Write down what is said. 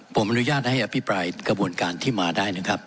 ผมอนุญาตให้อภิปรายกระบวนการที่มาได้นะครับ